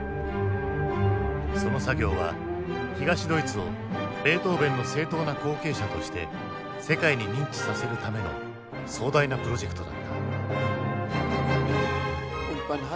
その作業は東ドイツをベートーヴェンの正統な後継者として世界に認知させるための壮大なプロジェクトだった。